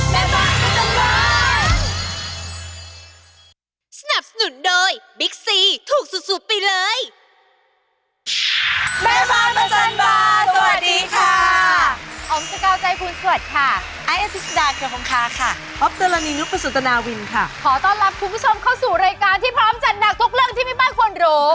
แม่ฟ้าประจันบาสวัสดีค่ะอ๋อมสกาวใจภูมิสวัสดีค่ะไอ้อธิสดาเขียวของข้าค่ะออฟเตอร์ลานีนุปสุธนาวินค่ะขอต้อนรับคุณผู้ชมเข้าสู่รายการที่พร้อมจัดหนักทุกเรื่องที่มีบ้านควรรู้